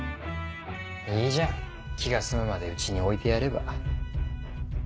いいじゃん気が済むまでうちに置いてやれば。